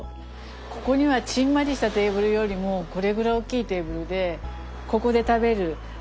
ここにはちんまりしたテーブルよりもこれぐらい大きいテーブルでここで食べるあそこで食べる。